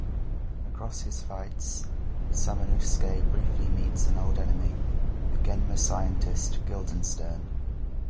Across his fights, Samanosuke briefly meets an old enemy: The Genma scientist Guildenstern.